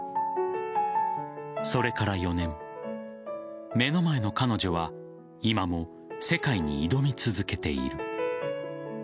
それから４年目の前の彼女は今も世界に挑み続けている。